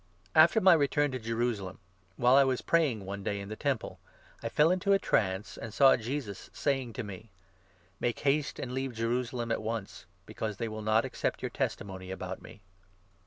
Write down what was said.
After my return to Jerusalem, while I was 17 praying one day in the Temple, I fell into a trance, and saw 18 Jesus saying to me ' Make haste and leave Jerusalem at once, K 258 THE ACTS, 22 23. because they will not accept your testimony about me.'